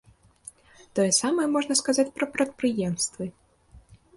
Тое самае можна сказаць пра прадпрыемствы.